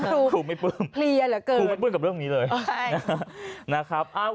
คุณครูไม่ปลื้มคุณไม่ปลื้มกับเรื่องนี้เลยนะครับอ้าว